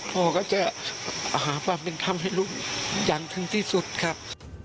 พ่อก็จะหาความเป็นธรรมให้ลูกอย่างถึงที่สุดครับ